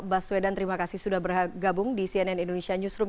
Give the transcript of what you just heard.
baswedan terima kasih sudah bergabung di cnn indonesia newsroom